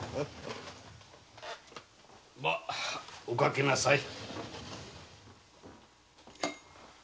お掛けなさい。